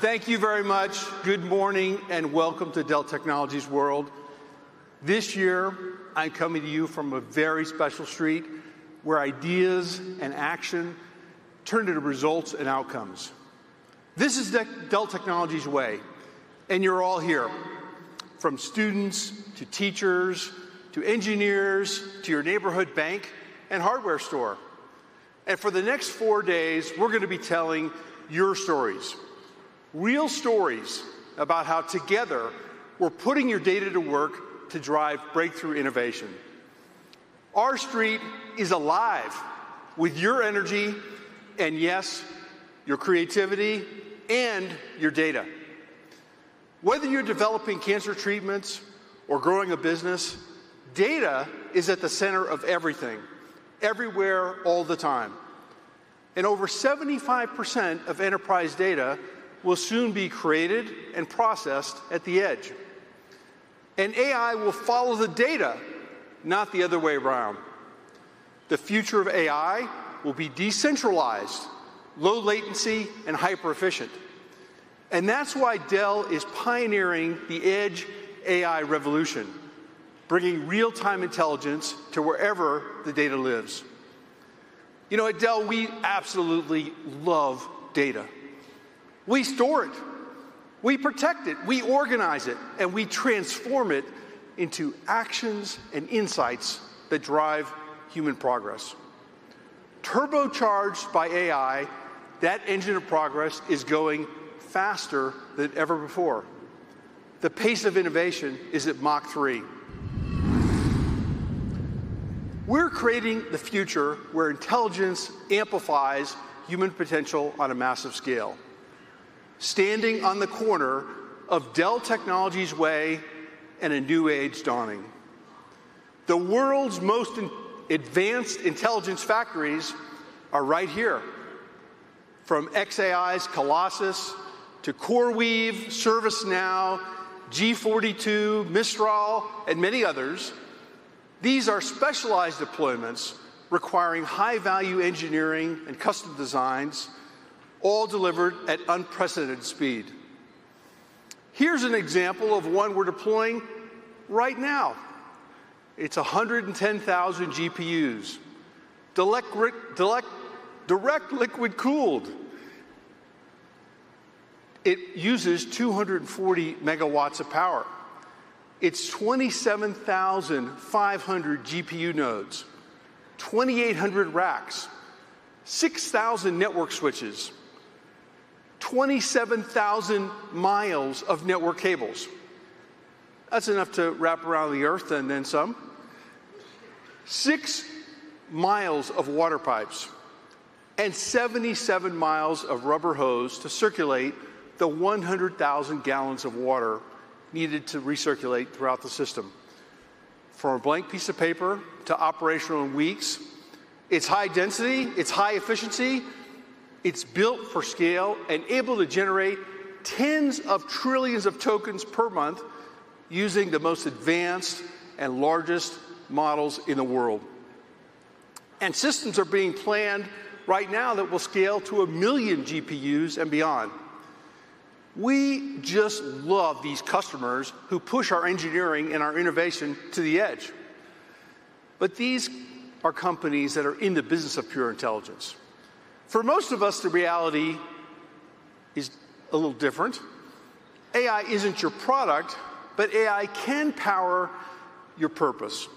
Thank you. Thank you very much. Good morning and welcome to Dell Technologies World. This year, I'm coming to you from a very special street where ideas and action turn into results and outcomes. This is Dell Technologies' way, and you're all here, from students to teachers to engineers to your neighborhood bank and hardware store. For the next four days, we're going to be telling your stories, real stories about how together we're putting your data to work to drive breakthrough innovation. Our street is alive with your energy, and yes, your creativity and your data. Whether you're developing cancer treatments or growing a business, data is at the center of everything, everywhere, all the time. Over 75% of enterprise data will soon be created and processed at the edge. AI will follow the data, not the other way around. The future of AI will be decentralized, low latency, and hyper-efficient. That is why Dell is pioneering the edge AI revolution, bringing real-time intelligence to wherever the data lives. You know, at Dell, we absolutely love data. We store it, we protect it, we organize it, and we transform it into actions and insights that drive human progress. Turbocharged by AI, that engine of progress is going faster than ever before. The pace of innovation is at Mark III. We are creating the future where intelligence amplifies human potential on a massive scale, standing on the corner of Dell Technologies' way and a new age dawning. The world's most advanced intelligence factories are right here. From xAI's Colossus to CoreWeave, ServiceNow, G42, Mistral, and many others, these are specialized deployments requiring high-value engineering and custom designs, all delivered at unprecedented speed. Here is an example of one we are deploying right now. It's 110,000 GPUs, direct liquid-cooled. It uses 240 MW of power. It's 27,500 GPU nodes, 2,800 racks, 6,000 network switches, 27,000 mi of network cables. That's enough to wrap around the Earth and then some. Six mi of water pipes and 77 mi of rubber hose to circulate the 100,000 gal of water needed to recirculate throughout the system. From a blank piece of paper to operational in weeks, it's high density, it's high efficiency, it's built for scale, and able to generate tens of trillions of tokens per month using the most advanced and largest models in the world. Systems are being planned right now that will scale to a million GPUs and beyond. We just love these customers who push our engineering and our innovation to the edge. These are companies that are in the business of pure intelligence. For most of us, the reality is a little different. AI isn't your product, but AI can power your purpose.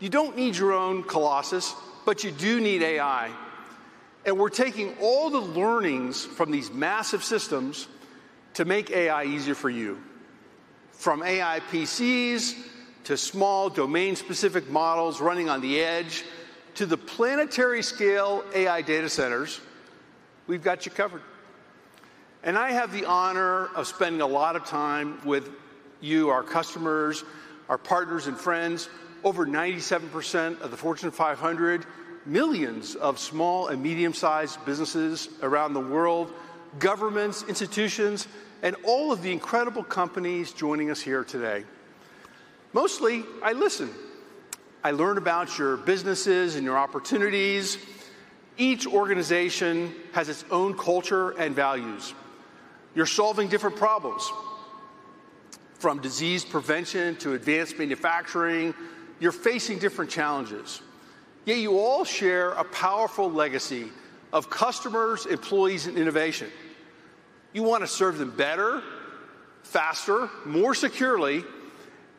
You don't need your own Colossus, but you do need AI. We are taking all the learnings from these massive systems to make AI easier for you. From AI PCs to small domain-specific models running on the edge to the planetary-scale AI data centers, we have you covered. I have the honor of spending a lot of time with you, our customers, our partners, and friends. Over 97% of the Fortune 500, millions of small and medium-sized businesses around the world, governments, institutions, and all of the incredible companies joining us here today. Mostly, I listen. I learn about your businesses and your opportunities. Each organization has its own culture and values. You are solving different problems. From disease prevention to advanced manufacturing, you are facing different challenges. Yet you all share a powerful legacy of customers, employees, and innovation. You want to serve them better, faster, more securely,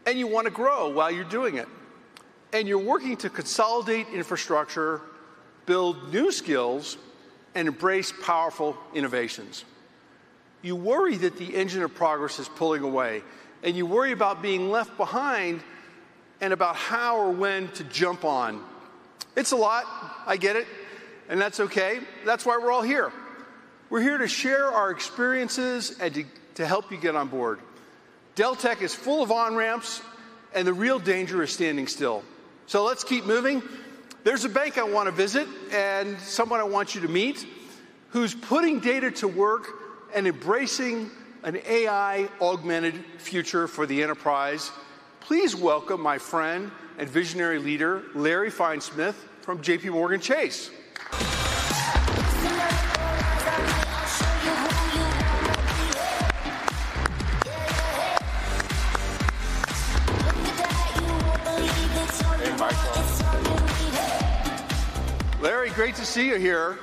and you want to grow while you're doing it. You are working to consolidate infrastructure, build new skills, and embrace powerful innovations. You worry that the engine of progress is pulling away, and you worry about being left behind and about how or when to jump on. It's a lot, I get it, and that's okay. That is why we're all here. We're here to share our experiences and to help you get on board. Dell Technologies is full of on-ramps, and the real danger is standing still. Let's keep moving. There is a bank I want to visit and someone I want you to meet who's putting data to work and embracing an AI-augmented future for the enterprise. Please welcome my friend and visionary leader, Larry Fine Smith, from JPMorgan Chase. Larry, great to see you here.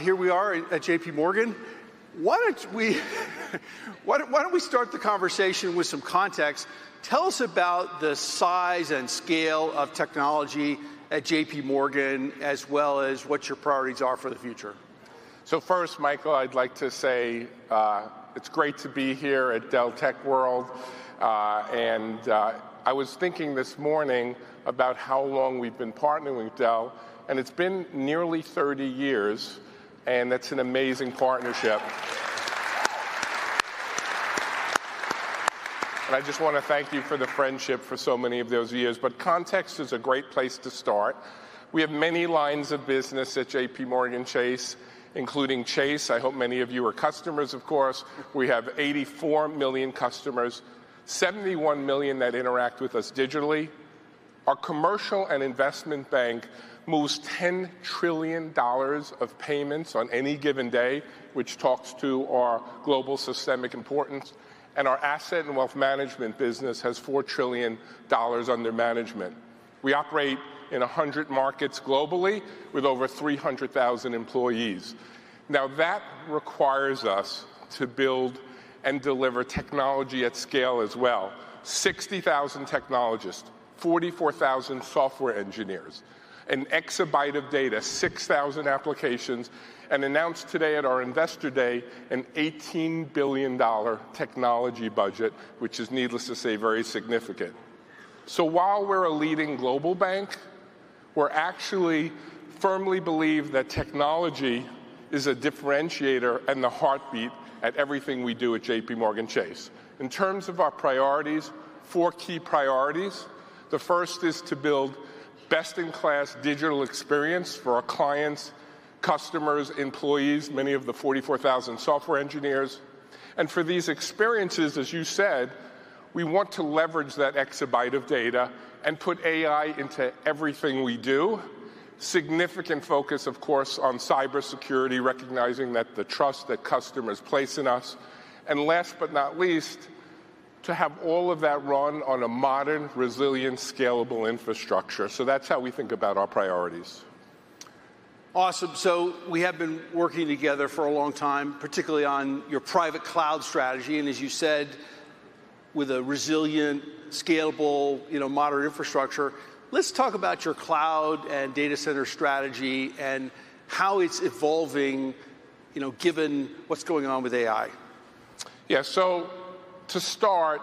Here we are at JPMorgan. Why don't we start the conversation with some context? Tell us about the size and scale of technology at JPMorgan, as well as what your priorities are for the future. First, Michael, I'd like to say it's great to be here at Dell Tech World. I was thinking this morning about how long we've been partnering with Dell, and it's been nearly 30 years, and that's an amazing partnership. I just want to thank you for the friendship for so many of those years. Context is a great place to start. We have many lines of business at JPMorgan Chase, including Chase. I hope many of you are customers, of course. We have 84 million customers, 71 million that interact with us digitally. Our commercial and investment bank moves $10 trillion of payments on any given day, which talks to our global systemic importance. Our asset and wealth management business has $4 trillion under management. We operate in 100 markets globally with over 300,000 employees. Now, that requires us to build and deliver technology at scale as well. 60,000 technologists, 44,000 software engineers, an exabyte of data, 6,000 applications, and announced today at our investor day an $18 billion technology budget, which is needless to say, very significant. While we're a leading global bank, we actually firmly believe that technology is a differentiator and the heartbeat at everything we do at JPMorgan Chase. In terms of our priorities, four key priorities. The first is to build best-in-class digital experience for our clients, customers, employees, many of the 44,000 software engineers. For these experiences, as you said, we want to leverage that exabyte of data and put AI into everything we do. Significant focus, of course, on cybersecurity, recognizing the trust that customers place in us. Last but not least, to have all of that run on a modern, resilient, scalable infrastructure. That's how we think about our priorities. Awesome. We have been working together for a long time, particularly on your private cloud strategy. As you said, with a resilient, scalable, modern infrastructure, let's talk about your cloud and data center strategy and how it's evolving given what's going on with AI. Yeah. To start,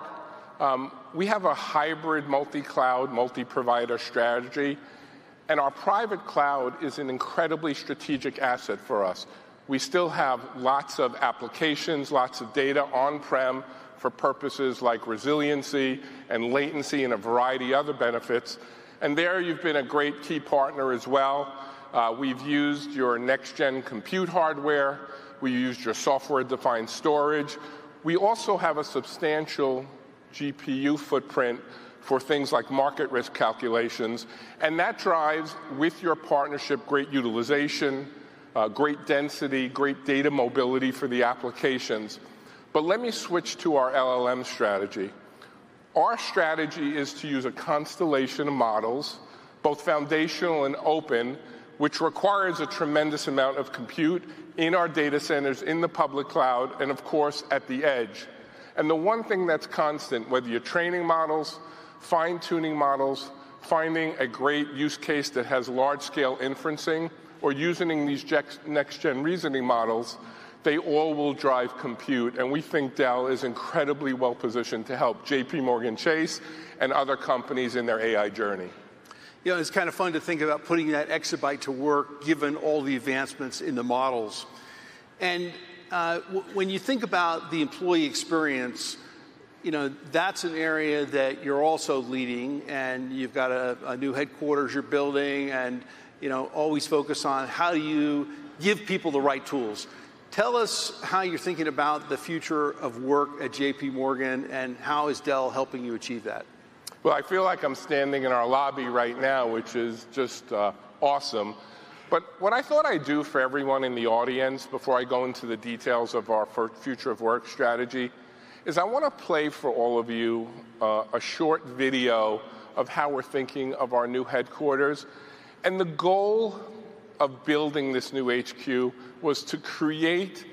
we have a hybrid multi-cloud, multi-provider strategy. Our private cloud is an incredibly strategic asset for us. We still have lots of applications, lots of data on-prem for purposes like resiliency and latency and a variety of other benefits. There, you've been a great key partner as well. We've used your next-gen compute hardware. We used your software-defined storage. We also have a substantial GPU footprint for things like market risk calculations. That drives, with your partnership, great utilization, great density, great data mobility for the applications. Let me switch to our LLM strategy. Our strategy is to use a constellation of models, both foundational and open, which requires a tremendous amount of compute in our data centers, in the public cloud, and of course, at the edge. The one thing that's constant, whether you're training models, fine-tuning models, finding a great use case that has large-scale inferencing, or using these next-gen reasoning models, they all will drive compute. We think Dell is incredibly well-positioned to help JPMorgan Chase and other companies in their AI journey. Yeah. It's kind of fun to think about putting that exabyte to work, given all the advancements in the models. And when you think about the employee experience, that's an area that you're also leading, and you've got a new headquarters you're building and always focus on how do you give people the right tools. Tell us how you're thinking about the future of work at JPMorgan and how is Dell helping you achieve that. I feel like I'm standing in our lobby right now, which is just awesome. What I thought I'd do for everyone in the audience before I go into the details of our future of work strategy is I want to play for all of you a short video of how we're thinking of our new headquarters. The goal of building this new HQ was to create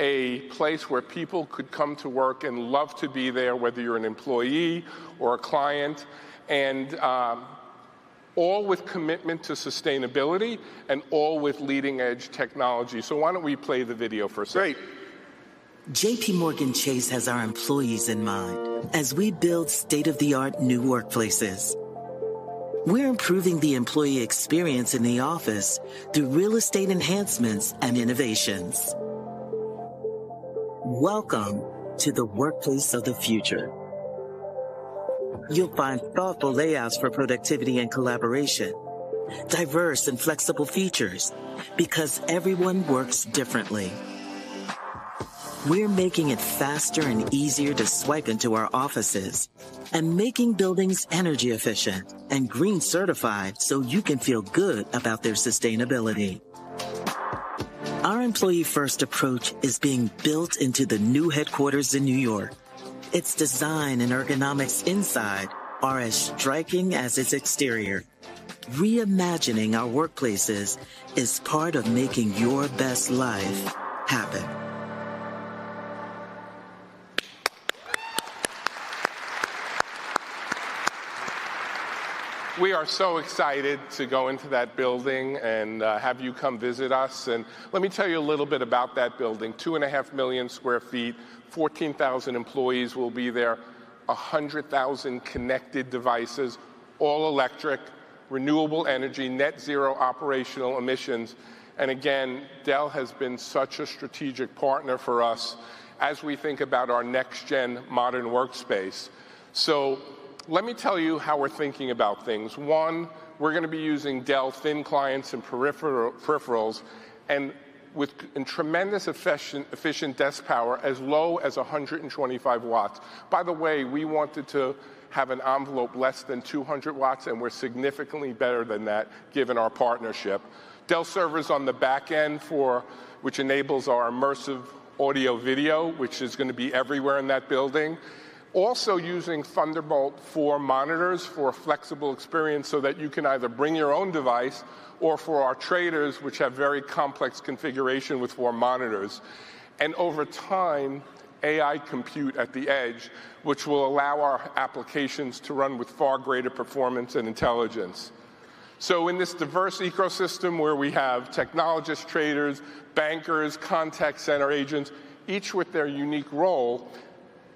a place where people could come to work and love to be there, whether you're an employee or a client, and all with commitment to sustainability and all with leading-edge technology. Why don't we play the video for a second? Great. JPMorgan Chase has our employees in mind as we build state-of-the-art new workplaces. We're improving the employee experience in the office through real estate enhancements and innovations. Welcome to the workplace of the future. You'll find thoughtful layouts for productivity and collaboration, diverse and flexible features, because everyone works differently. We're making it faster and easier to swipe into our offices and making buildings energy efficient and green certified so you can feel good about their sustainability. Our employee-first approach is being built into the new headquarters in New York. Its design and ergonomics inside are as striking as its exterior. Reimagining our workplaces is part of making your best life happen. We are so excited to go into that building and have you come visit us. Let me tell you a little bit about that building. 2,500,000 sq ft, 14,000 employees will be there, 100,000 connected devices, all electric, renewable energy, net zero operational emissions. Dell has been such a strategic partner for us as we think about our next-gen modern workspace. Let me tell you how we're thinking about things. One, we're going to be using Dell Thin Clients and peripherals and with tremendous efficient desk power as low as 125 W. By the way, we wanted to have an envelope less than 200 W, and we're significantly better than that given our partnership. Dell servers on the back end, which enables our immersive audio video, which is going to be everywhere in that building. Also using Thunderbolt 4 monitors for a flexible experience so that you can either bring your own device or for our traders, which have very complex configuration with four monitors. Over time, AI compute at the edge, which will allow our applications to run with far greater performance and intelligence. In this diverse ecosystem where we have technologists, traders, bankers, contact center agents, each with their unique role,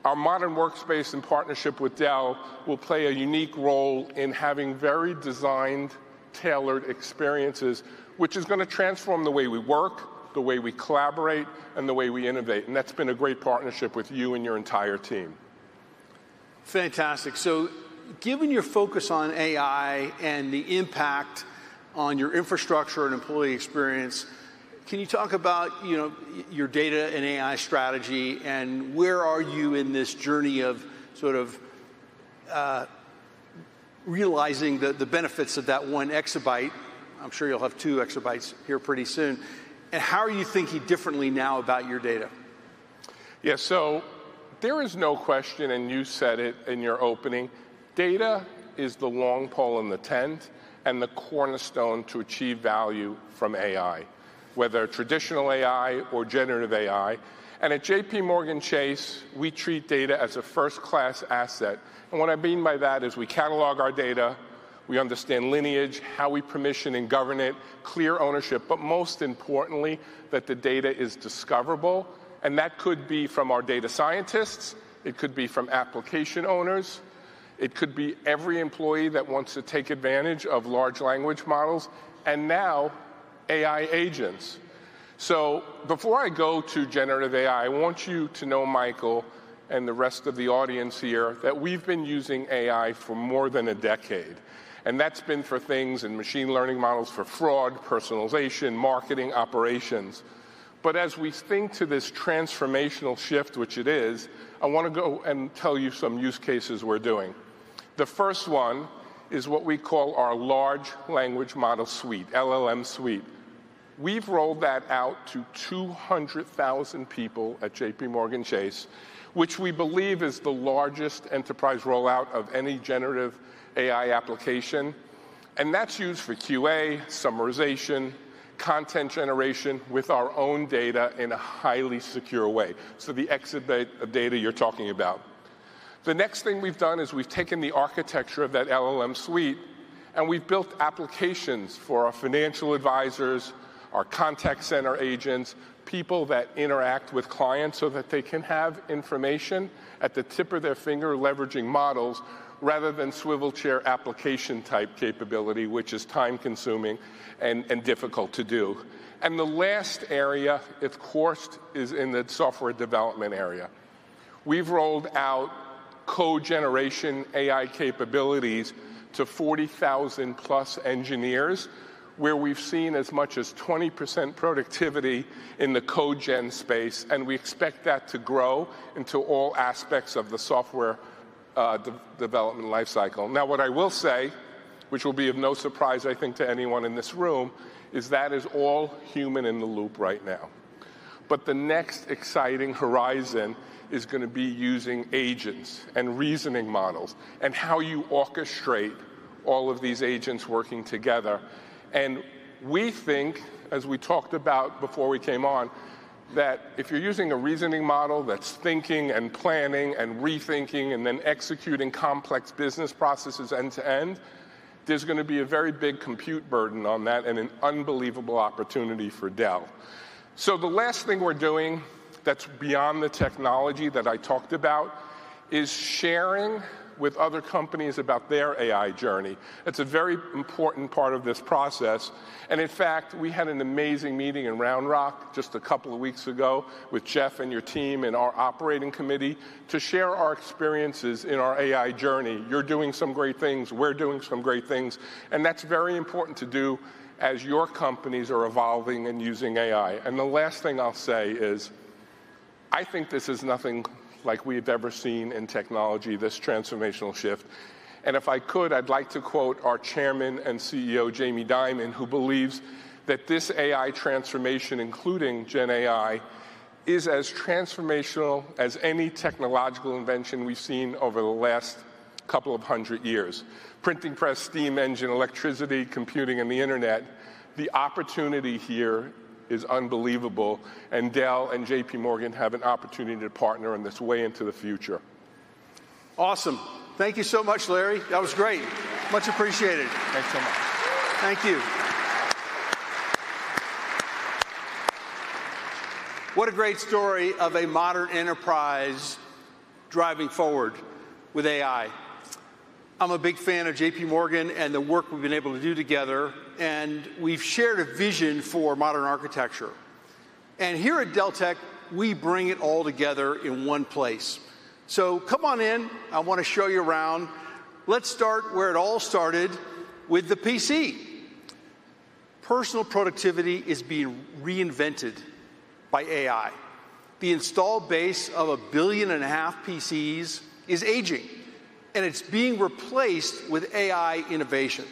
our modern workspace in partnership with Dell will play a unique role in having very designed, tailored experiences, which is going to transform the way we work, the way we collaborate, and the way we innovate. That has been a great partnership with you and your entire team. Fantastic. Given your focus on AI and the impact on your infrastructure and employee experience, can you talk about your data and AI strategy and where are you in this journey of sort of realizing the benefits of that one exabyte? I'm sure you'll have two exabytes here pretty soon. How are you thinking differently now about your data? Yeah. There is no question, and you said it in your opening, data is the long pole in the tent and the cornerstone to achieve value from AI, whether traditional AI or generative AI. At JPMorgan Chase, we treat data as a first-class asset. What I mean by that is we catalog our data, we understand lineage, how we permission and govern it, clear ownership, but most importantly, that the data is discoverable. That could be from our data scientists. It could be from application owners. It could be every employee that wants to take advantage of large language models. Now, AI agents. Before I go to generative AI, I want you to know, Michael, and the rest of the audience here that we've been using AI for more than a decade. That's been for things in machine learning models for fraud, personalization, marketing, operations. As we think to this transformational shift, which it is, I want to go and tell you some use cases we're doing. The first one is what we call our large language model suite, LLM Suite. We've rolled that out to 200,000 people at JPMorgan Chase, which we believe is the largest enterprise rollout of any generative AI application. That's used for QA, summarization, content generation with our own data in a highly secure way. The exabyte of data you're talking about. The next thing we've done is we've taken the architecture of that LLM Suite, and we've built applications for our financial advisors, our contact center agents, people that interact with clients so that they can have information at the tip of their finger, leveraging models rather than swivel chair application type capability, which is time-consuming and difficult to do. The last area, of course, is in the software development area. We've rolled out code generation AI capabilities to 40,000+ engineers, where we've seen as much as 20% productivity in the code gen space. We expect that to grow into all aspects of the software development lifecycle. Now, what I will say, which will be of no surprise, I think, to anyone in this room, is that is all human in the loop right now. The next exciting horizon is going to be using agents and reasoning models and how you orchestrate all of these agents working together. We think, as we talked about before we came on, that if you're using a reasoning model that's thinking and planning and rethinking and then executing complex business processes end to end, there's going to be a very big compute burden on that and an unbelievable opportunity for Dell. The last thing we're doing that's beyond the technology that I talked about is sharing with other companies about their AI journey. It's a very important part of this process. In fact, we had an amazing meeting in Round Rock just a couple of weeks ago with Jeff and your team and our operating committee to share our experiences in our AI journey. You're doing some great things. We're doing some great things. That is very important to do as your companies are evolving and using AI. The last thing I'll say is I think this is nothing like we've ever seen in technology, this transformational shift. If I could, I'd like to quote our Chairman and CEO, Jamie Dimon, who believes that this AI transformation, including Gen AI, is as transformational as any technological invention we've seen over the last couple of hundred years. Printing press, steam engine, electricity, computing, and the internet, the opportunity here is unbelievable. Dell and JPMorgan have an opportunity to partner in this way into the future. Awesome. Thank you so much, Larry. That was great. Much appreciated. Thanks so much. Thank you. What a great story of a modern enterprise driving forward with AI. I'm a big fan of JPMorgan and the work we've been able to do together. We've shared a vision for modern architecture. Here at Dell Technologies, we bring it all together in one place. Come on in. I want to show you around. Let's start where it all started with the PC. Personal productivity is being reinvented by AI. The installed base of a billion and a half PCs is aging, and it's being replaced with AI innovation.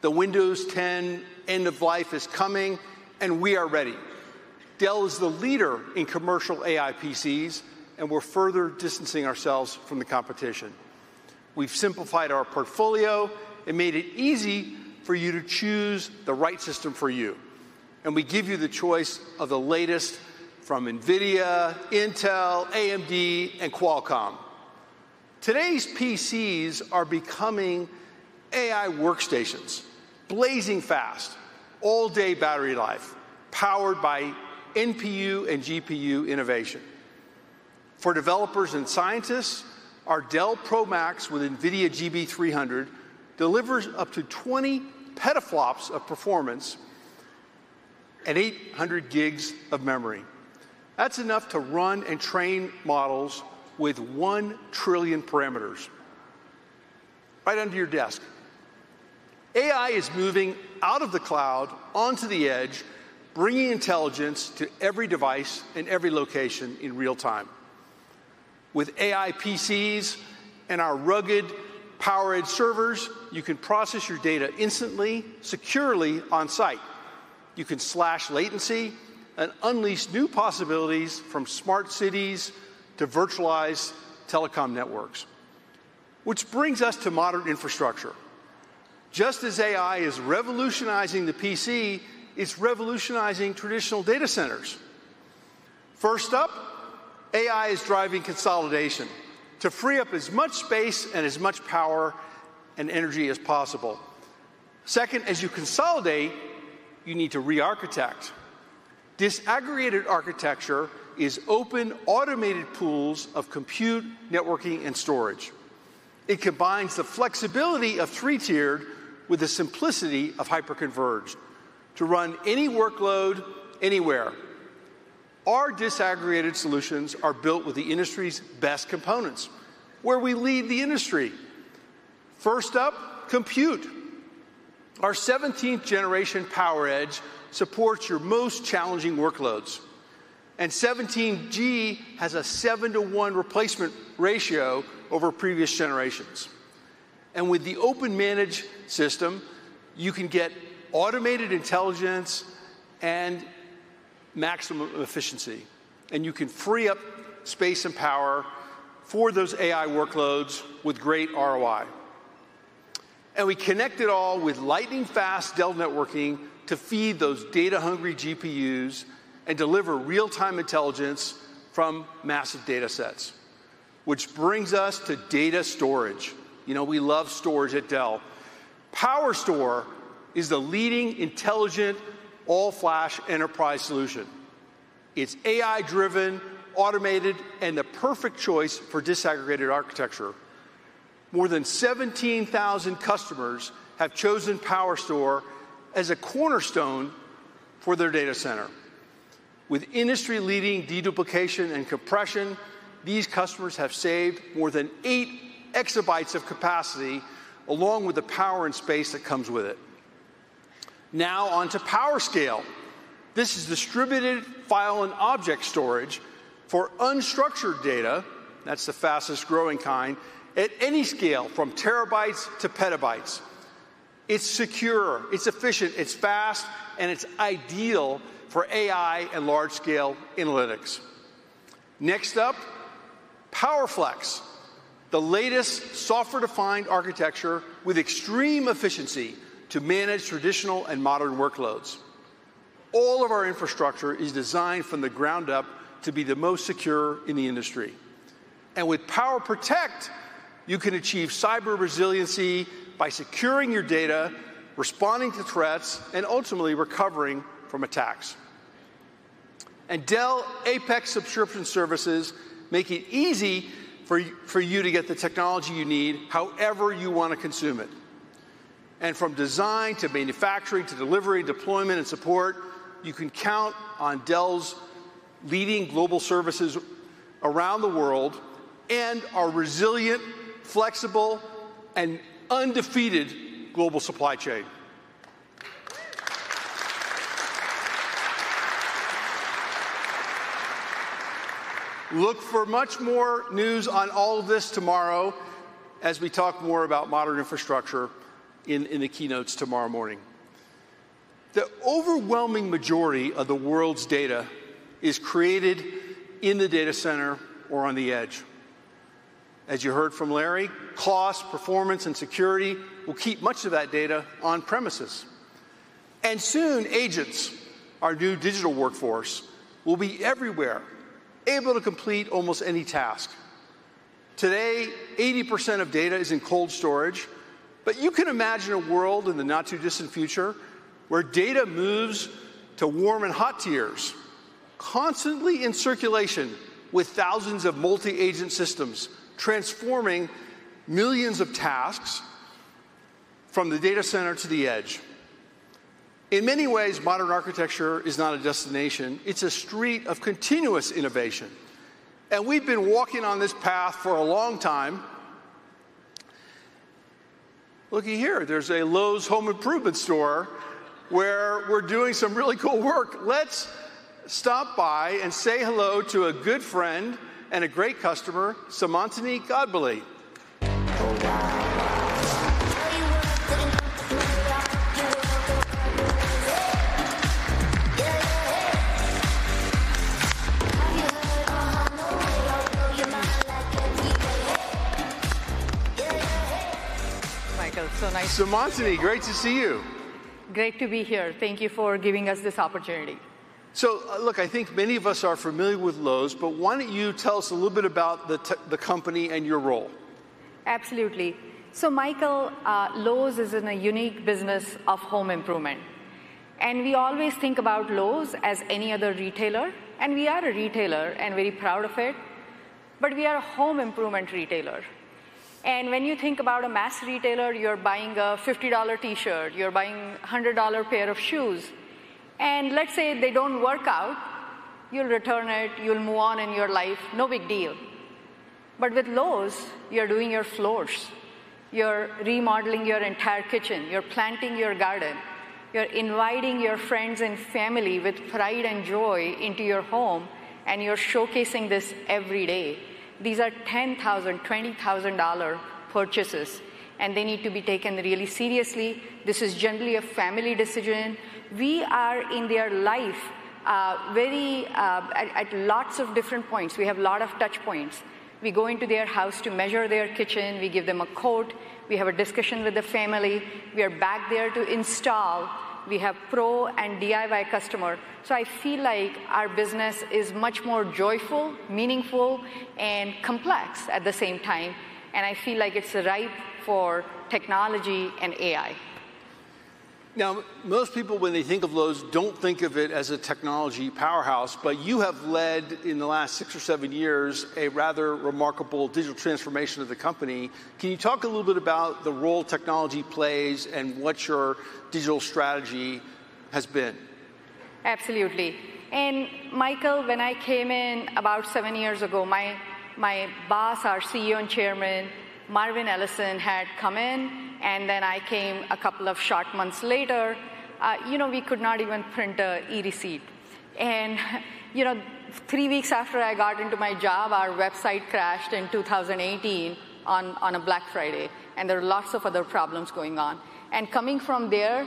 The Windows 10 end of life is coming, and we are ready. Dell is the leader in commercial AI PCs, and we're further distancing ourselves from the competition. We've simplified our portfolio and made it easy for you to choose the right system for you. We give you the choice of the latest from NVIDIA, Intel, AMD, and Qualcomm. Today's PCs are becoming AI workstations, blazing fast, all-day battery life, powered by NPU and GPU innovation. For developers and scientists, our Dell Pro Max with NVIDIA GB300 delivers up to 20 petaflops of performance and 800 GB of memory. That is enough to run and train models with one trillion parameters right under your desk. AI is moving out of the cloud onto the edge, bringing intelligence to every device and every location in real time. With AI PCs and our rugged PowerEdge servers, you can process your data instantly, securely on site. You can slash latency and unleash new possibilities from smart cities to virtualized telecom networks, which brings us to modern infrastructure. Just as AI is revolutionizing the PC, it is revolutionizing traditional data centers. First up, AI is driving consolidation to free up as much space and as much power and energy as possible. Second, as you consolidate, you need to re-architect. Disaggregated architecture is open automated pools of compute, networking, and storage. It combines the flexibility of three-tiered with the simplicity of hyper-converged to run any workload anywhere. Our disaggregated solutions are built with the industry's best components, where we lead the industry. First up, compute. Our 17th-generation PowerEdge supports your most challenging workloads. And 17G has a seven-to-one replacement ratio over previous generations. With the open managed system, you can get automated intelligence and maximum efficiency. You can free up space and power for those AI workloads with great ROI. We connect it all with lightning-fast Dell networking to feed those data-hungry GPUs and deliver real-time intelligence from massive data sets, which brings us to data storage. We love storage at Dell. PowerStore is the leading intelligent all-flash enterprise solution. It's AI-driven, automated, and the perfect choice for disaggregated architecture. More than 17,000 customers have chosen PowerStore as a cornerstone for their data center. With industry-leading deduplication and compression, these customers have saved more than eight exabytes of capacity along with the power and space that comes with it. Now on to PowerScale. This is distributed file and object storage for unstructured data. That's the fastest growing kind at any scale from terabytes to petabytes. It's secure, it's efficient, it's fast, and it's ideal for AI and large-scale analytics. Next up, PowerFlex, the latest software-defined architecture with extreme efficiency to manage traditional and modern workloads. All of our infrastructure is designed from the ground up to be the most secure in the industry. With PowerProtect, you can achieve cyber resiliency by securing your data, responding to threats, and ultimately recovering from attacks. Dell APEX subscription services make it easy for you to get the technology you need however you want to consume it. From design to manufacturing to delivery, deployment, and support, you can count on Dell's leading global services around the world and our resilient, flexible, and undefeated global supply chain. Look for much more news on all of this tomorrow as we talk more about modern infrastructure in the keynotes tomorrow morning. The overwhelming majority of the world's data is created in the data center or on the edge. As you heard from Larry, cost, performance, and security will keep much of that data on premises. Soon, agents, our new digital workforce, will be everywhere, able to complete almost any task. Today, 80% of data is in cold storage. You can imagine a world in the not-too-distant future where data moves to warm and hot tiers, constantly in circulation with thousands of multi-agent systems transforming millions of tasks from the data center to the edge. In many ways, modern architecture is not a destination. It is a street of continuous innovation. We have been walking on this path for a long time. Looking here, there is a Lowe's Home Improvement Store where we are doing some really cool work. Let's stop by and say hello to a good friend and a great customer, Seemantini Godbole. Michael, it's so nice to meet you. Seemantini, great to see you. Great to be here. Thank you for giving us this opportunity. I think many of us are familiar with Lowe's, but why don't you tell us a little bit about the company and your role? Absolutely. Michael, Lowe's is in a unique business of home improvement. We always think about Lowe's as any other retailer. We are a retailer and very proud of it. We are a home improvement retailer. When you think about a mass retailer, you're buying a $50 T-shirt. You're buying a $100 pair of shoes. Let's say they don't work out. You'll return it. You'll move on in your life. No big deal. With Lowe's, you're doing your floors. You're remodeling your entire kitchen. You're planting your garden. You're inviting your friends and family with pride and joy into your home. You're showcasing this every day. These are $10,000, $20,000 purchases. They need to be taken really seriously. This is generally a family decision. We are in their life at lots of different points. We have a lot of touch points. We go into their house to measure their kitchen. We give them a coat. We have a discussion with the family. We are back there to install. We have pro and DIY customers. I feel like our business is much more joyful, meaningful, and complex at the same time. I feel like it's ripe for technology and AI. Now, most people, when they think of Lowe's, don't think of it as a technology powerhouse. You have led in the last six or seven years a rather remarkable digital transformation of the company. Can you talk a little bit about the role technology plays and what your digital strategy has been? Absolutely. Michael, when I came in about seven years ago, my boss, our CEO and Chairman, Marvin Ellison, had come in. I came a couple of short months later. We could not even print an e-receipt. Three weeks after I got into my job, our website crashed in 2018 on a Black Friday. There were lots of other problems going on. Coming from there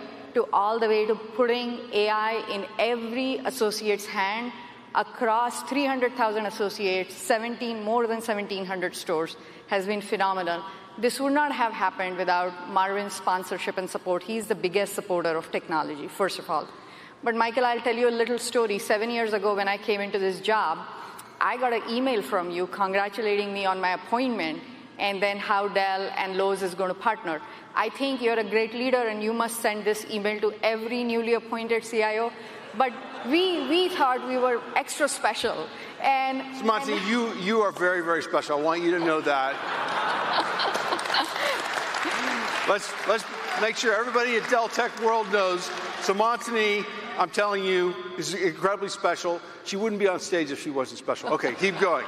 all the way to putting AI in every associate's hand across 300,000 associates, more than 1,700 stores, has been phenomenal. This would not have happened without Marvin's sponsorship and support. He is the biggest supporter of technology, first of all. Michael, I'll tell you a little story. Seven years ago, when I came into this job, I got an email from you congratulating me on my appointment and then how Dell and Lowe's is going to partner. I think you're a great leader, and you must send this email to every newly appointed CIO. We thought we were extra special. Seemantini, you are very, very special. I want you to know that. Let's make sure everybody at Dell Tech World knows Seemantini, I'm telling you, is incredibly special. She wouldn't be on stage if she wasn't special. Okay, keep going.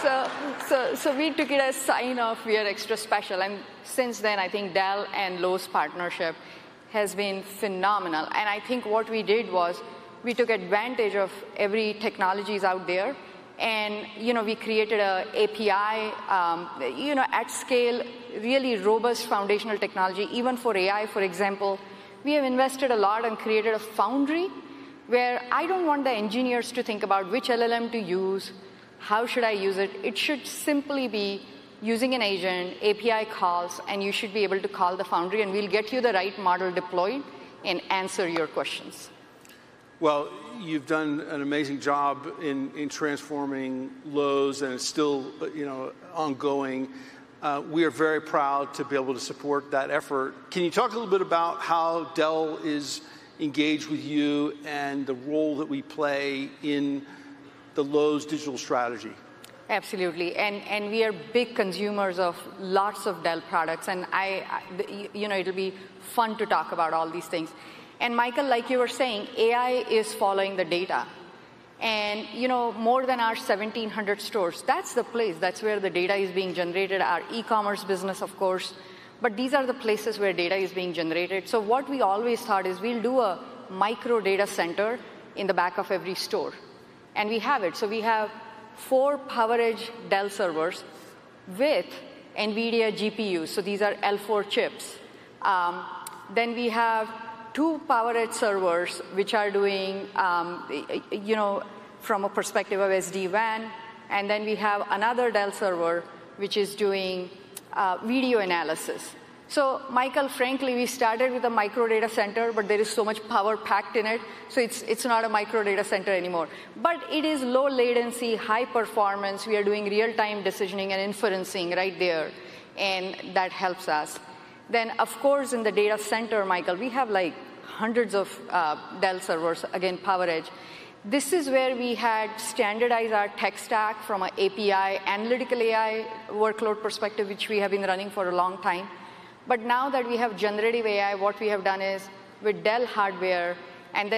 We took it as sign-off. We are extra special. Since then, I think Dell and Lowe's partnership has been phenomenal. I think what we did was we took advantage of every technology out there. We created an API at scale, really robust foundational technology, even for AI, for example. We have invested a lot and created a foundry where I do not want the engineers to think about which LLM to use, how should I use it. It should simply be using an agent, API calls, and you should be able to call the foundry. We will get you the right model deployed and answer your questions. You have done an amazing job in transforming Lowe's, and it is still ongoing. We are very proud to be able to support that effort. Can you talk a little bit about how Dell is engaged with you and the role that we play in the Lowe's digital strategy? Absolutely. We are big consumers of lots of Dell products. It'll be fun to talk about all these things. Michael, like you were saying, AI is following the data. More than our 1,700 stores, that's the place. That's where the data is being generated, our e-commerce business, of course. These are the places where data is being generated. What we always thought is we'll do a micro data center in the back of every store. We have it. We have four PowerEdge Dell servers with NVIDIA GPUs. These are L4 chips. We have two PowerEdge servers, which are doing, from a perspective of SD-WAN. We have another Dell server, which is doing video analysis. Michael, frankly, we started with a micro data center, but there is so much power packed in it. It is not a micro data center anymore. But it is low latency, high performance. We are doing real-time decisioning and inferencing right there. That helps us. In the data center, Michael, we have hundreds of Dell servers, again, PowerEdge. This is where we had standardized our tech stack from an API, analytical AI workload perspective, which we have been running for a long time. Now that we have generative AI, what we have done is with Dell hardware.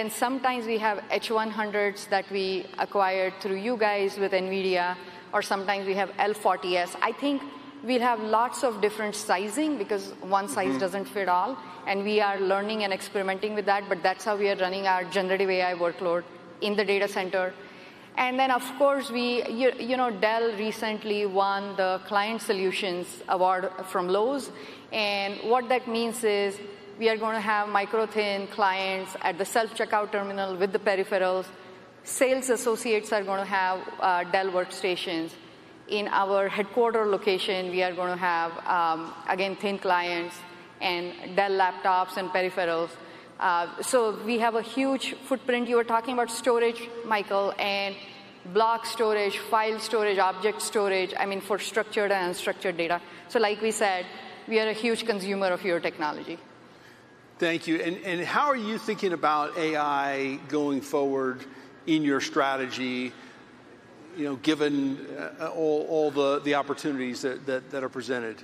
Sometimes we have H100s that we acquired through you guys with NVIDIA. Or sometimes we have L40s. I think we will have lots of different sizing because one size does not fit all. We are learning and experimenting with that. That is how we are running our generative AI workload in the data center. Dell recently won the Client Solutions Award from Lowe's. What that means is we are going to have micro thin clients at the self-checkout terminal with the peripherals. Sales associates are going to have Dell workstations. In our headquarter location, we are going to have, again, thin clients and Dell laptops and peripherals. We have a huge footprint. You were talking about storage, Michael, and block storage, file storage, object storage, I mean, for structured and unstructured data. Like we said, we are a huge consumer of your technology. Thank you. How are you thinking about AI going forward in your strategy, given all the opportunities that are presented?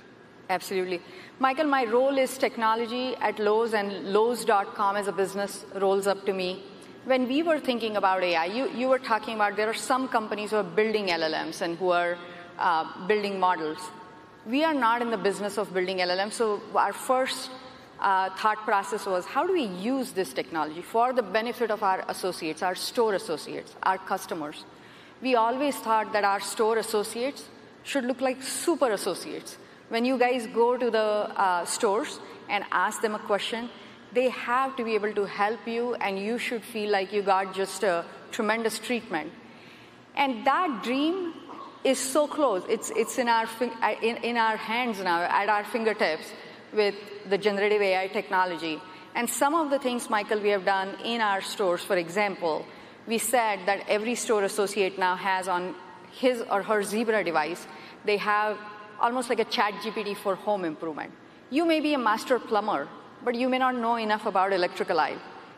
Absolutely. Michael, my role is technology at Lowe's. And lowes.com as a business rolls up to me. When we were thinking about AI, you were talking about there are some companies who are building LLMs and who are building models. We are not in the business of building LLMs. So our first thought process was, how do we use this technology for the benefit of our associates, our store associates, our customers? We always thought that our store associates should look like super associates. When you guys go to the stores and ask them a question, they have to be able to help you. And you should feel like you got just a tremendous treatment. That dream is so close. It is in our hands now, at our fingertips with the generative AI technology. Some of the things, Michael, we have done in our stores, for example, we said that every store associate now has on his or her Zebra device, they have almost like a ChatGPT for home improvement. You may be a master plumber, but you may not know enough about electrical.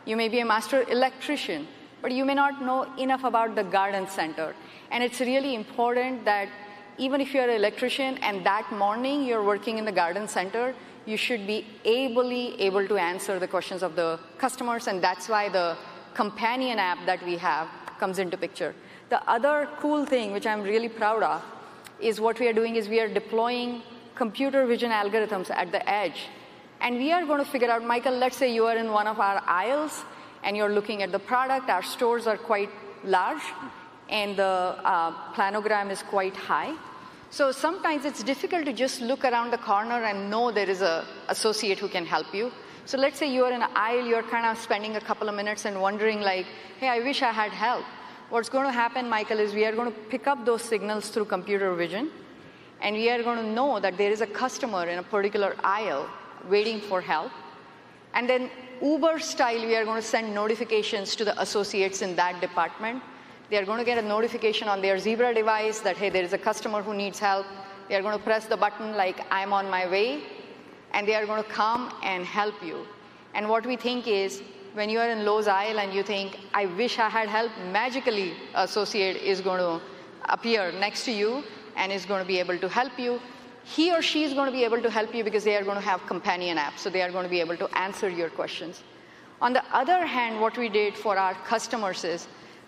You may be a master electrician, but you may not know enough about the garden center. It is really important that even if you are an electrician and that morning you are working in the garden center, you should be able to answer the questions of the customers. That is why the companion app that we have comes into the picture. The other cool thing, which I am really proud of, is what we are doing is we are deploying computer vision algorithms at the edge. We are going to figure out, Michael, let's say you are in one of our aisles and you're looking at the product. Our stores are quite large, and the planogram is quite high. Sometimes it's difficult to just look around the corner and know there is an associate who can help you. Let's say you are in an aisle. You're kind of spending a couple of minutes and wondering like, hey, I wish I had help. What's going to happen, Michael, is we are going to pick up those signals through computer vision. We are going to know that there is a customer in a particular aisle waiting for help. Uber style, we are going to send notifications to the associates in that department. They are going to get a notification on their Zebra device that, hey, there is a customer who needs help. They are going to press the button like, I'm on my way. They are going to come and help you. What we think is when you are in Lowe's aisle and you think, I wish I had help, magically, an associate is going to appear next to you and is going to be able to help you. He or she is going to be able to help you because they are going to have companion apps. They are going to be able to answer your questions. On the other hand, what we did for our customers is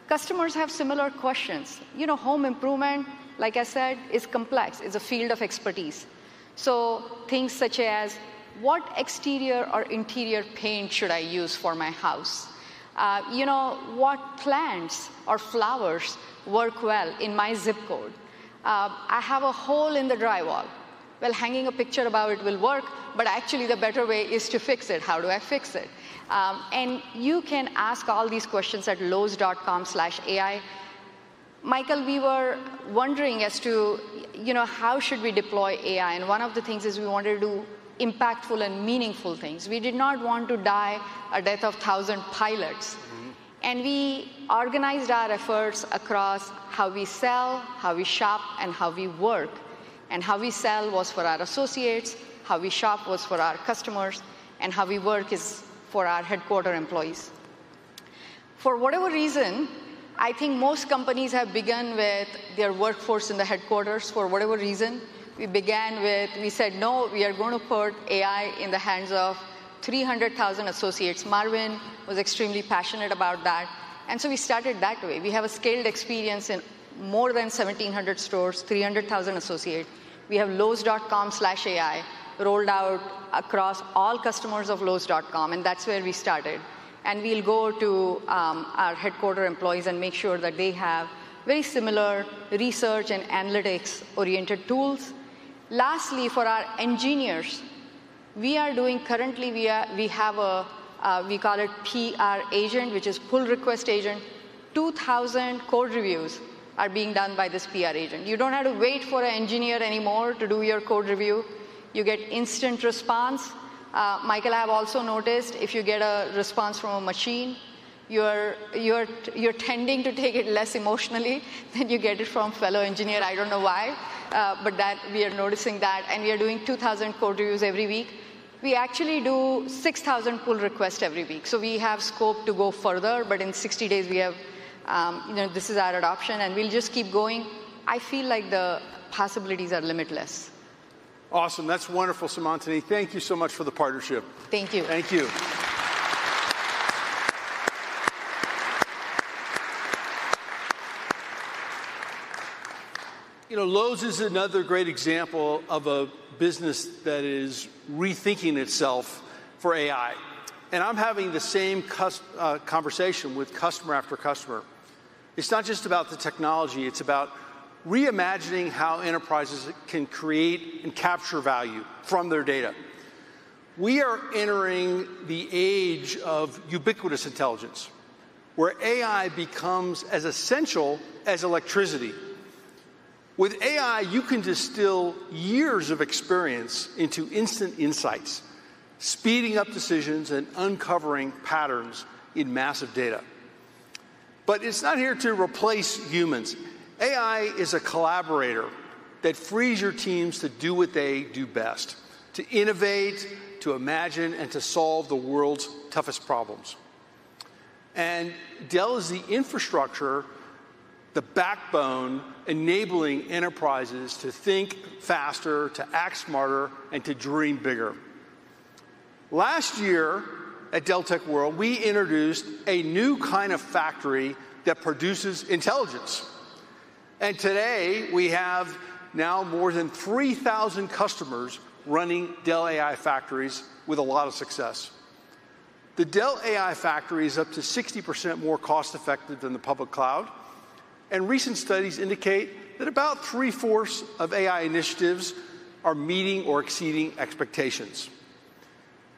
customers have similar questions. Home improvement, like I said, is complex. It's a field of expertise. Things such as, what exterior or interior paint should I use for my house? What plants or flowers work well in my zip code? I have a hole in the drywall. Hanging a picture about it will work. Actually, the better way is to fix it. How do I fix it? You can ask all these questions at lowes.com/ai. Michael, we were wondering as to how should we deploy AI. One of the things is we wanted to do impactful and meaningful things. We did not want to die a death of 1,000 pilots. We organized our efforts across how we sell, how we shop, and how we work. How we sell was for our associates. How we shop was for our customers. How we work is for our headquarter employees. For whatever reason, I think most companies have begun with their workforce in the headquarters for whatever reason. We began with, we said, no, we are going to put AI in the hands of 300,000 associates. Marvin was extremely passionate about that. We started that way. We have a scaled experience in more than 1,700 stores, 300,000 associates. We have lowes.com/ai rolled out across all customers of lowes.com. That is where we started. We will go to our headquarter employees and make sure that they have very similar research and analytics-oriented tools. Lastly, for our engineers, we are doing currently, we have a, we call it PR agent, which is pull request agent. 2,000 code reviews are being done by this PR agent. You do not have to wait for an engineer anymore to do your code review. You get instant response. Michael, I have also noticed if you get a response from a machine, you are tending to take it less emotionally than you get it from a fellow engineer. I do not know why. We are noticing that. We are doing 2,000 code reviews every week. We actually do 6,000 pull requests every week. We have scope to go further. In 60 days, this is our adoption. We will just keep going. I feel like the possibilities are limitless. Awesome. That's wonderful, Samantha. Thank you so much for the partnership. Thank you. Thank you. Lowe's is another great example of a business that is rethinking itself for AI. I'm having the same conversation with customer after customer. It's not just about the technology. It's about reimagining how enterprises can create and capture value from their data. We are entering the age of ubiquitous intelligence, where AI becomes as essential as electricity. With AI, you can distill years of experience into instant insights, speeding up decisions and uncovering patterns in massive data. It's not here to replace humans. AI is a collaborator that frees your teams to do what they do best, to innovate, to imagine, and to solve the world's toughest problems. Dell is the infrastructure, the backbone enabling enterprises to think faster, to act smarter, and to dream bigger. Last year at Dell Tech World, we introduced a new kind of factory that produces intelligence. Today, we have now more than 3,000 customers running Dell AI factories with a lot of success. The Dell AI factory is up to 60% more cost-effective than the public cloud. Recent studies indicate that about three-fourths of AI initiatives are meeting or exceeding expectations.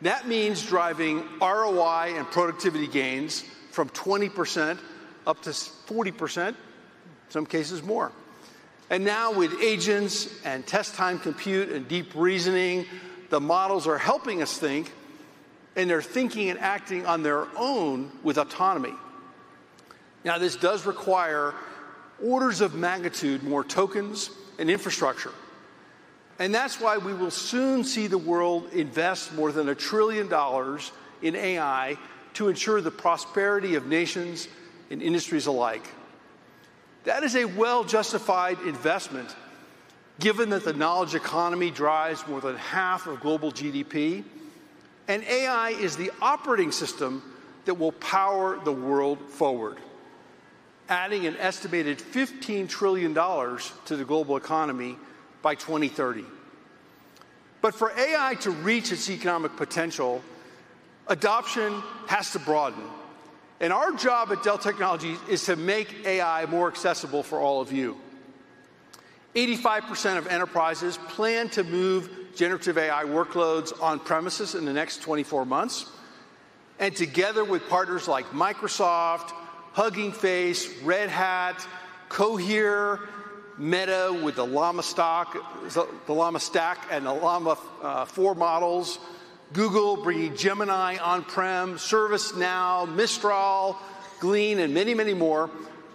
That means driving ROI and productivity gains from 20% up to 40%, in some cases more. Now with agents and test-time compute and deep reasoning, the models are helping us think. They are thinking and acting on their own with autonomy. This does require orders of magnitude more tokens and infrastructure. That is why we will soon see the world invest more than $1 trillion in AI to ensure the prosperity of nations and industries alike. That is a well-justified investment, given that the knowledge economy drives more than half of global GDP. AI is the operating system that will power the world forward, adding an estimated $15 trillion to the global economy by 2030. For AI to reach its economic potential, adoption has to broaden. Our job at Dell Technologies is to make AI more accessible for all of you. 85% of enterprises plan to move generative AI workloads on-premises in the next 24 months. Together with partners like Microsoft, Hugging Face, Red Hat, Cohere, Meta with the Llama Stack and the Llama 4 models, Google bringing Gemini on-prem, ServiceNow, Mistral, Glean, and many, many more,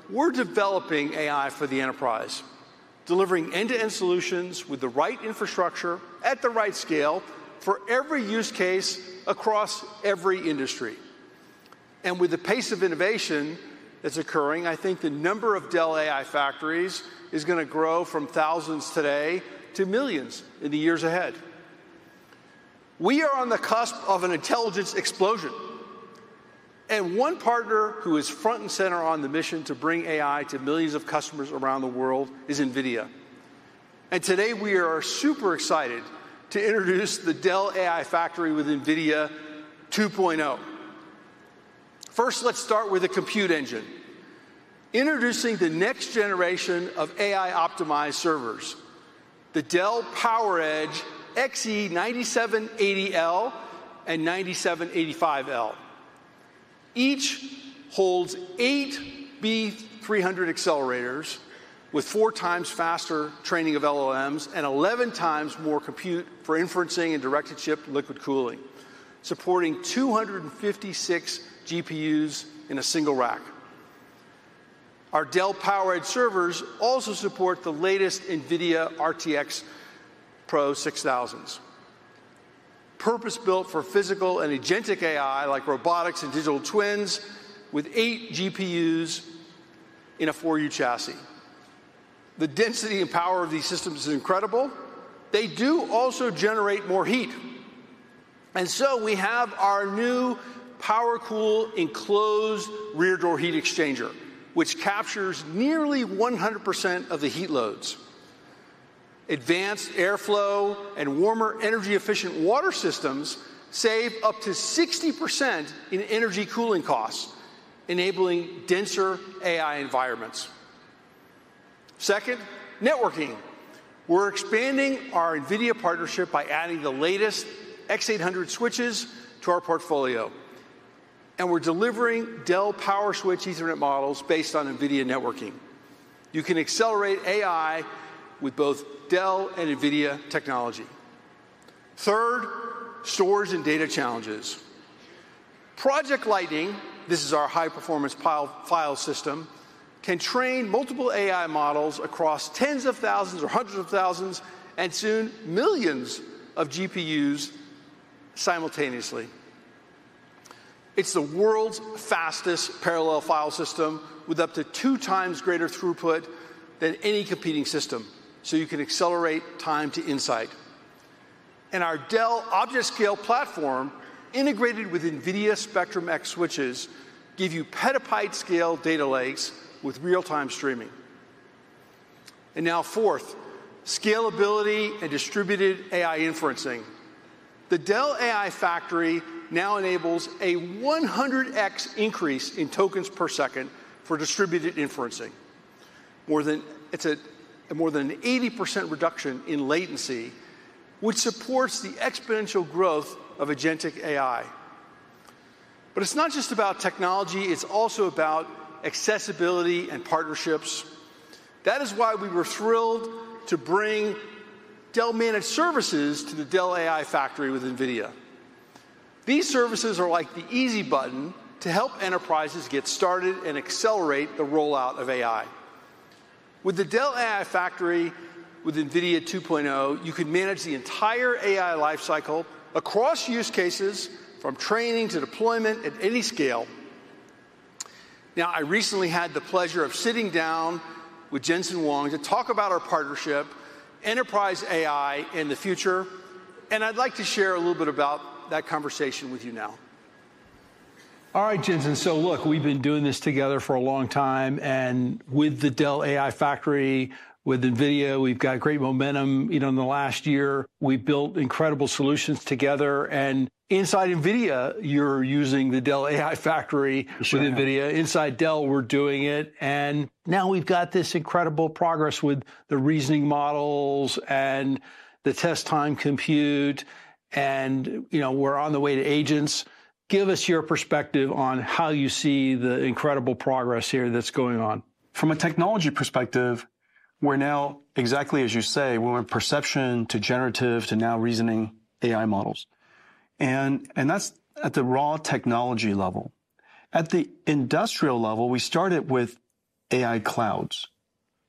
we are developing AI for the enterprise, delivering end-to-end solutions with the right infrastructure at the right scale for every use case across every industry. With the pace of innovation that is occurring, I think the number of Dell AI factories is going to grow from thousands today to millions in the years ahead. We are on the cusp of an intelligence explosion. One partner who is front and center on the mission to bring AI to millions of customers around the world is NVIDIA. Today, we are super excited to introduce the Dell AI Factory with NVIDIA 2.0. First, let's start with a compute engine, introducing the next generation of AI-optimized servers, the Dell PowerEdge XE9780L and 9785L. Each holds eight B300 accelerators with four times faster training of LLMs and 11 times more compute for inferencing and directed-chip liquid cooling, supporting 256 GPUs in a single rack. Our Dell PowerEdge servers also support the latest NVIDIA RTX Pro 6000s, purpose-built for physical and agentic AI like robotics and digital twins with eight GPUs in a 4U chassis. The density and power of these systems is incredible. They do also generate more heat. We have our new power-cool enclosed rear door heat exchanger, which captures nearly 100% of the heat loads. Advanced airflow and warmer, energy-efficient water systems save up to 60% in energy cooling costs, enabling denser AI environments. Second, networking. We're expanding our NVIDIA partnership by adding the latest X800 switches to our portfolio. We're delivering Dell PowerSwitch Ethernet models based on NVIDIA networking. You can accelerate AI with both Dell and NVIDIA technology. Third, storage and data challenges. Project Lightning, this is our high-performance file system, can train multiple AI models across tens of thousands or hundreds of thousands and soon millions of GPUs simultaneously. It is the world's fastest parallel file system with up to two times greater throughput than any competing system. You can accelerate time to insight. Our Dell object-scale platform integrated with NVIDIA Spectrum-X switches gives you petabyte-scale data lakes with real-time streaming. Now, fourth, scalability and distributed AI inferencing. The Dell AI Factory now enables a 100x increase in tokens per second for distributed inferencing. It is more than an 80% reduction in latency, which supports the exponential growth of agentic AI. It is not just about technology. It is also about accessibility and partnerships. That is why we were thrilled to bring Dell-managed services to the Dell AI Factory with NVIDIA. These services are like the easy button to help enterprises get started and accelerate the rollout of AI. With the Dell AI Factory with NVIDIA 2.0, you can manage the entire AI lifecycle across use cases from training to deployment at any scale. I recently had the pleasure of sitting down with Jensen Huang to talk about our partnership, enterprise AI and the future. I'd like to share a little bit about that conversation with you now. All right, Jensen. Look, we've been doing this together for a long time. With the Dell AI Factory with NVIDIA, we've got great momentum. In the last year, we built incredible solutions together. Inside NVIDIA, you're using the Dell AI Factory with NVIDIA. Inside Dell, we're doing it. Now we've got this incredible progress with the reasoning models and the test-time compute. We're on the way to agents. Give us your perspective on how you see the incredible progress here that's going on. From a technology perspective, we're now exactly as you say, we're in perception to generative to now reasoning AI models. And that's at the raw technology level. At the industrial level, we started with AI clouds.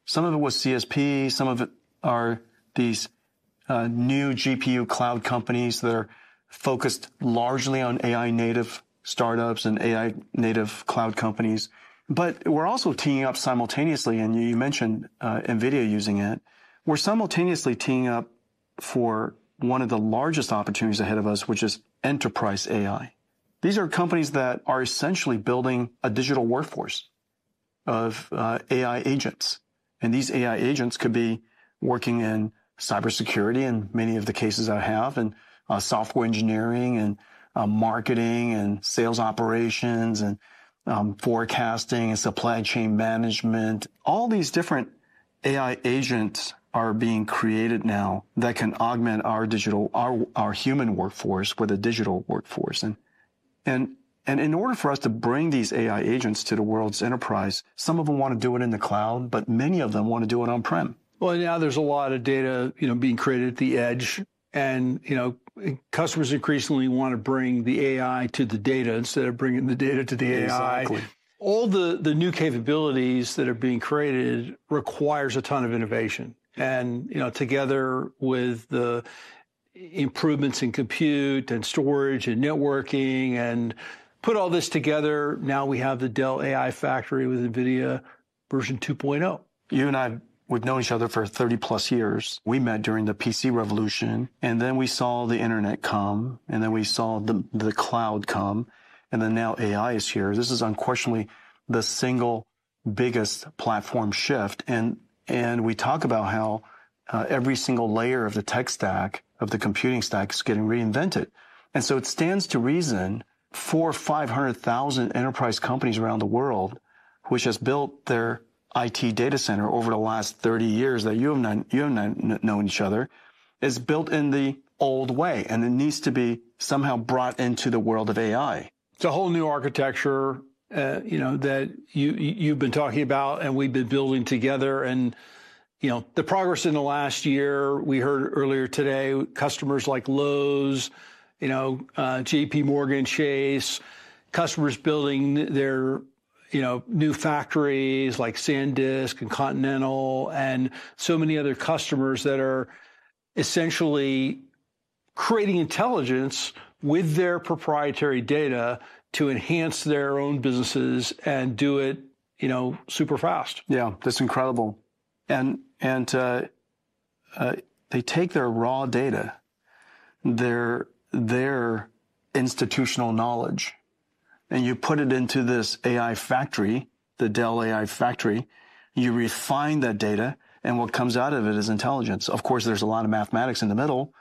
Some of it was CSP. Some of it are these new GPU cloud companies that are focused largely on AI-native startups and AI-native cloud companies. But we're also teeing up simultaneously, and you mentioned NVIDIA using it. We're simultaneously teeing up for one of the largest opportunities ahead of us, which is enterprise AI. These are companies that are essentially building a digital workforce of AI agents. And these AI agents could be working in cybersecurity in many of the cases I have, and software engineering, and marketing, and sales operations, and forecasting, and supply chain management. All these different AI agents are being created now that can augment our digital, our human workforce with a digital workforce. In order for us to bring these AI agents to the world's enterprise, some of them want to do it in the cloud, but many of them want to do it on-prem. There is a lot of data being created at the edge. Customers increasingly want to bring the AI to the data instead of bringing the data to the AI. Exactly. All the new capabilities that are being created require a ton of innovation. Together with the improvements in compute and storage and networking and put all this together, now we have the Dell AI Factory with NVIDIA version 2.0. You and I would know each other for 30+ years. We met during the PC revolution. We saw the internet come. We saw the cloud come. Now AI is here. This is unquestionably the single biggest platform shift. We talk about how every single layer of the tech stack, of the computing stack, is getting reinvented. It stands to reason for 500,000 enterprise companies around the world, which have built their IT data center over the last 30 years that you have known each other, it is built in the old way. It needs to be somehow brought into the world of AI. It's a whole new architecture that you've been talking about and we've been building together. The progress in the last year, we heard earlier today, customers like Lowe's, JPMorgan Chase, customers building their new factories like SanDisk and Continental, and so many other customers that are essentially creating intelligence with their proprietary data to enhance their own businesses and do it super fast. Yeah, that's incredible. They take their raw data, their institutional knowledge, and you put it into this AI factory, the Dell AI Factory. You refine that data. What comes out of it is intelligence. Of course, there's a lot of mathematics in the middle.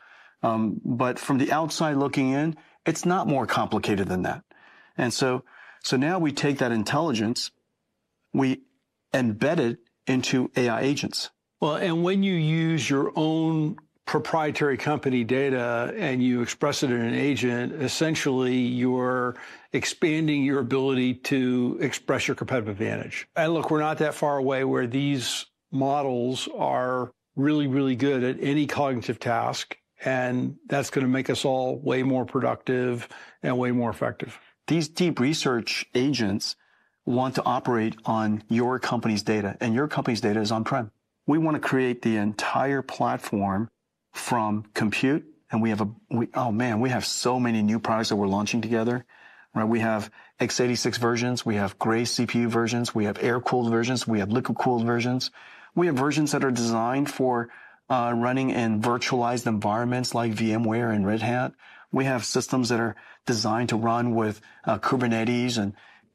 From the outside looking in, it's not more complicated than that. Now we take that intelligence, we embed it into AI agents. When you use your own proprietary company data and you express it in an agent, essentially you're expanding your ability to express your competitive advantage. Look, we're not that far away where these models are really, really good at any cognitive task. That's going to make us all way more productive and way more effective. These deep research agents want to operate on your company's data. Your company's data is on-prem. We want to create the entire platform from compute. We have, oh man, we have so many new products that we're launching together. We have x86 versions. We have Gray CPU versions. We have air-cooled versions. We have liquid-cooled versions. We have versions that are designed for running in virtualized environments like VMware and Red Hat. We have systems that are designed to run with Kubernetes.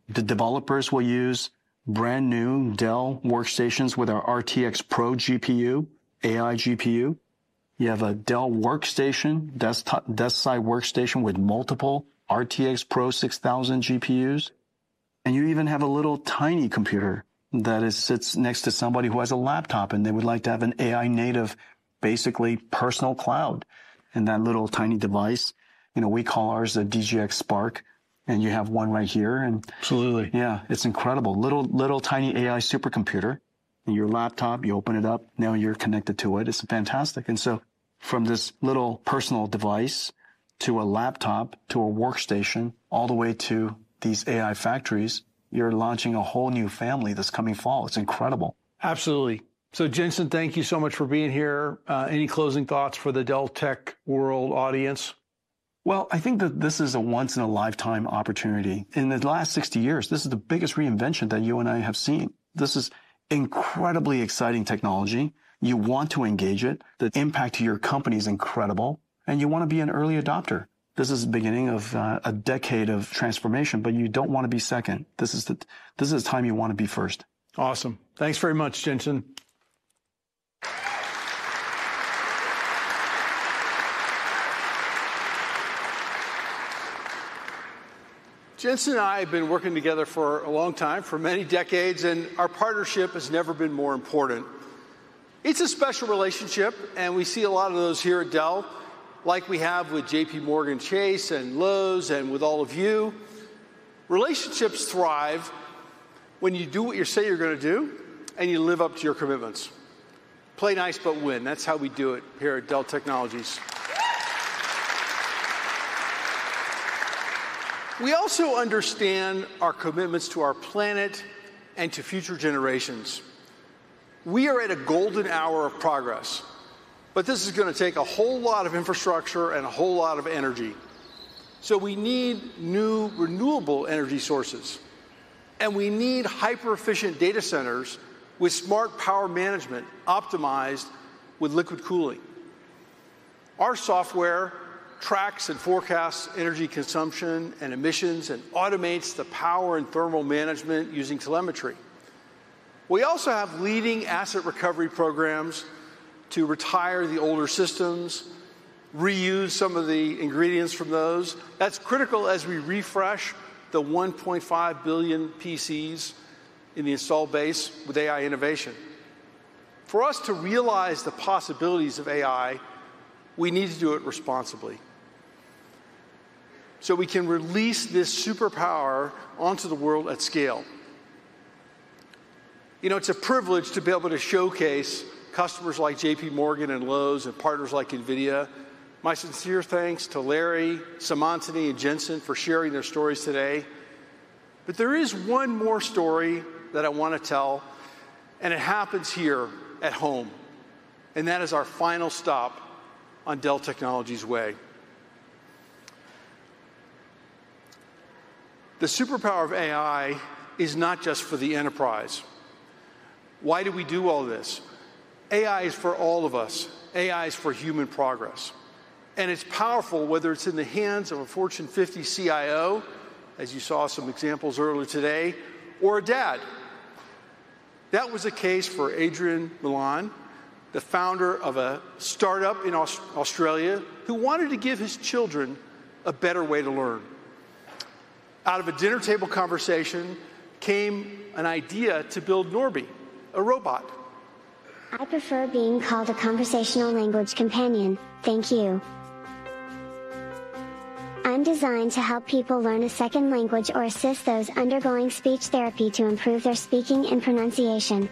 The developers will use brand new Dell workstations with our RTX Pro GPU, AI GPU. You have a Dell workstation, desk-side workstation with multiple RTX Pro 6000 GPUs. You even have a little tiny computer that sits next to somebody who has a laptop and they would like to have an AI-native, basically personal cloud. That little tiny device, we call ours a DGX Spark. You have one right here. Absolutely. Yeah, it's incredible. Little tiny AI supercomputer in your laptop. You open it up. Now you're connected to it. It's fantastic. From this little personal device to a laptop to a workstation, all the way to these AI factories, you're launching a whole new family this coming fall. It's incredible. Absolutely. Jensen, thank you so much for being here. Any closing thoughts for the Dell Tech World audience? I think that this is a once-in-a-lifetime opportunity. In the last 60 years, this is the biggest reinvention that you and I have seen. This is incredibly exciting technology. You want to engage it. The impact to your company is incredible. You want to be an early adopter. This is the beginning of a decade of transformation. You do not want to be second. This is the time you want to be first. Awesome. Thanks very much, Jensen. Jensen and I have been working together for a long time, for many decades. Our partnership has never been more important. It's a special relationship. We see a lot of those here at Dell, like we have with JPMorgan Chase and Lowe's and with all of you. Relationships thrive when you do what you say you're going to do and you live up to your commitments. Play nice, but win. That's how we do it here at Dell Technologies. We also understand our commitments to our planet and to future generations. We are at a golden hour of progress. This is going to take a whole lot of infrastructure and a whole lot of energy. We need new renewable energy sources. We need hyper-efficient data centers with smart power management optimized with liquid cooling. Our software tracks and forecasts energy consumption and emissions and automates the power and thermal management using telemetry. We also have leading asset recovery programs to retire the older systems, reuse some of the ingredients from those. That's critical as we refresh the 1.5 billion PCs in the install base with AI innovation. For us to realize the possibilities of AI, we need to do it responsibly so we can release this superpower onto the world at scale. It's a privilege to be able to showcase customers like JPMorgan Chase and Lowe's and partners like NVIDIA. My sincere thanks to Larry, Seemantini, and Jensen for sharing their stories today. There is one more story that I want to tell. It happens here at home. That is our final stop on Dell Technologies' way. The superpower of AI is not just for the enterprise. Why do we do all this? AI is for all of us. AI is for human progress. It is powerful whether it is in the hands of a Fortune 50 CIO, as you saw some examples earlier today, or a dad. That was the case for Adrian Mullan, the founder of a startup in Australia who wanted to give his children a better way to learn. Out of a dinner table conversation came an idea to build Norby, a robot. I prefer being called a conversational language companion. Thank you. I'm designed to help people learn a second language or assist those undergoing speech therapy to improve their speaking and pronunciation.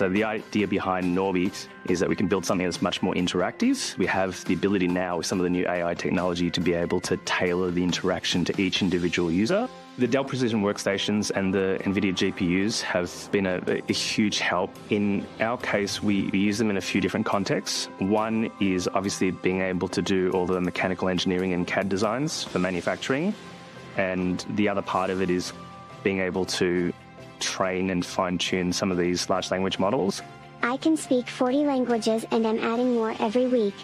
The idea behind Norby is that we can build something that's much more interactive. We have the ability now with some of the new AI technology to be able to tailor the interaction to each individual user. The Dell Precision workstations and the NVIDIA GPUs have been a huge help. In our case, we use them in a few different contexts. One is obviously being able to do all the mechanical engineering and CAD designs for manufacturing. The other part of it is being able to train and fine-tune some of these large language models. I can speak 40 languages, and I'm adding more every week.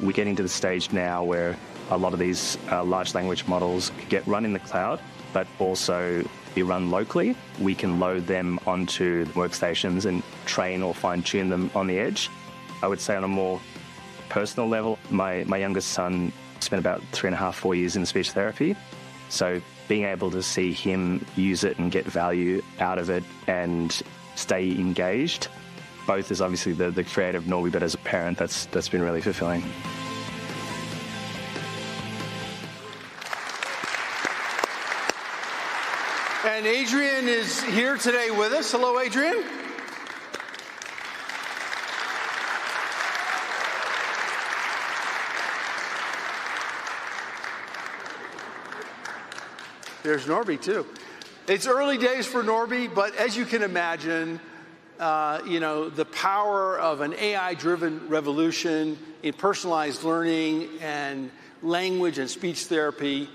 We're getting to the stage now where a lot of these large language models get run in the cloud, but also be run locally. We can load them onto the workstations and train or fine-tune them on the edge. I would say on a more personal level, my youngest son spent about three and a half, four years in speech therapy. Being able to see him use it and get value out of it and stay engaged, both as obviously the creative Norby, but as a parent, that's been really fulfilling. Adrian is here today with us. Hello, Adrian. There's Norby, too. It's early days for Norby. As you can imagine, the power of an AI-driven revolution in personalized learning and language and speech therapy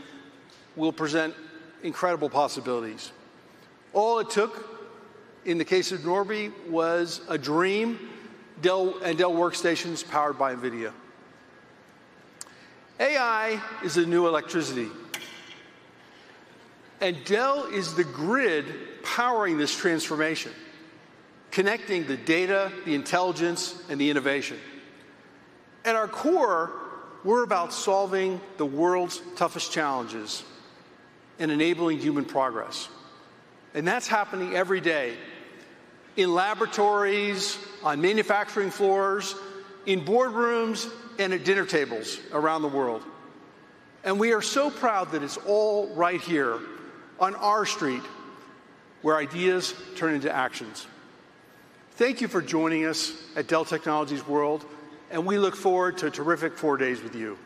will present incredible possibilities. All it took, in the case of Norby, was a dream and Dell workstations powered by NVIDIA. AI is the new electricity. Dell is the grid powering this transformation, connecting the data, the intelligence, and the innovation. At our core, we're about solving the world's toughest challenges and enabling human progress. That is happening every day in laboratories, on manufacturing floors, in boardrooms, and at dinner tables around the world. We are so proud that it's all right here on our street where ideas turn into actions. Thank you for joining us at Dell Technologies World. We look forward to a terrific four days with you.